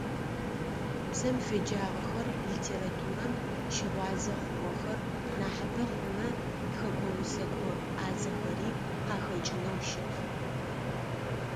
Бзэм феджагъэхэр, литературэм щыгъуазэ хъугъэхэр нахьыбэ хъумэ тхэкӏо-усэкӏо ӏазэхэри къахэкӀынэу щыт.